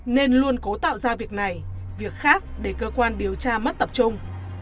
tự tạo ra việc này việc khác để cơ quan điều tra mất tập trung